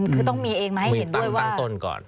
คือต้องมีเองมาให้เห็นโดยตั้งต้นก่อน